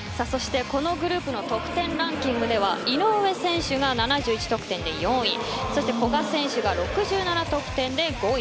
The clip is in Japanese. そしてこのチームの得点ランキングでは井上選手が７１得点で４位そして古賀選手が６７得点で５位。